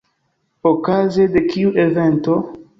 Okaze de kiu evento?